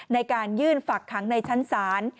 ในการยื่นฝักขังในชั้นศาล